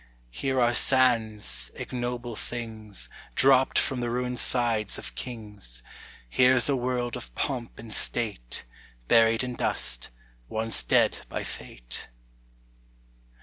Here are sands, ignoble things, Dropt from the ruined sides of kings: Here's a world of pomp and state Buried in dust, once dead by fate.